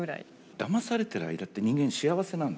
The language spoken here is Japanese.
だまされてる間って人間幸せなんです。